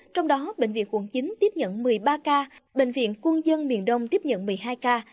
trong đó bệnh viện quận chín tiếp nhận một mươi ba ca bệnh viện quân dân miền đông tiếp nhận một mươi hai ca